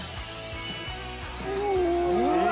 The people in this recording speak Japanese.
うわ！